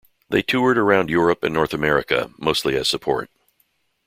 They toured around Europe and North America, mostly as support.